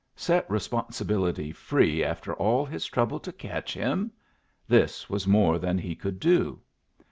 Set Responsibility free after all his trouble to catch him? This was more than he could do!